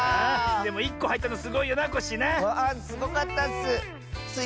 でも１こはいったのすごいよなコッシーな。わすごかったッス！